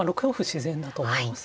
自然だと思います。